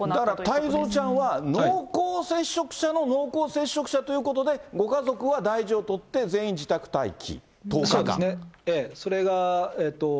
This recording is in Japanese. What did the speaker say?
だから太蔵ちゃんは、濃厚接触者の濃厚接触者ということで、ご家族は大事を取って全員自宅待機、１０日間。